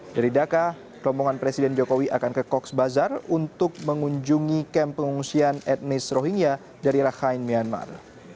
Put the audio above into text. dari dhaka rombongan presiden jokowi akan ke coach bazar untuk mengunjungi kamp pengungsian etnis rohingya dari rakhine myanmar